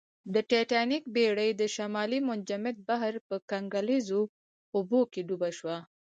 د ټیټانیک بېړۍ د شمالي منجمند بحر په کنګلیزو اوبو کې ډوبه شوه